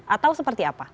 atau seperti apa